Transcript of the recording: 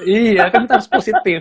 iya kan harus positif